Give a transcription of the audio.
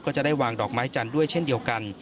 ก็จะได้วางดอกไม้จันทร์ด้วยเช่นเดียวกัน